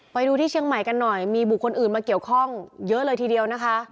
ไปดูที่เชียงใหม่กันหน่อยมีบุคคลอื่นมาเกี่ยวข้องเยอะเลยทีเดียวนะคะ